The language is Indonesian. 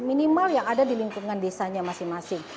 minimal yang ada di lingkungan desanya masing masing